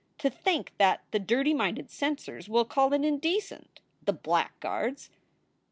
To think that the dirty minded censors will call it indecent, the blackguards!"